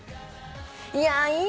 いやいい！